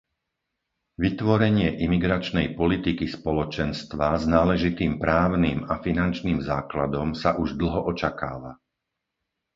Vytvorenie imigračnej politiky Spoločenstva s náležitým právnym a finančným základom sa už dlho očakáva.